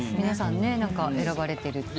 皆さん選ばれてる。